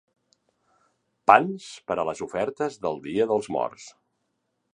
Pans per a les ofertes del dia dels Morts.